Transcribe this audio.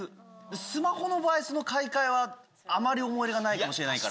スマホの場合、買い替えはあまり思い入れがないかもしれないから。